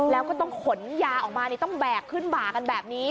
แล้วก็ต้องขนยาออกมาต้องแบกขึ้นบ่ากันแบบนี้